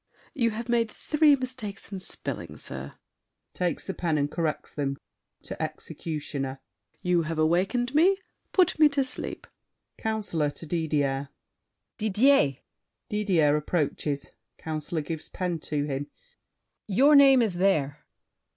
You have made three mistakes in spelling, sir. [Takes the pen and corrects them. To Executioner. You have awakened me; put me to sleep! COUNCILOR (to Didier). Didier! [Didier approaches: Councilor gives pen to him. Your name is there.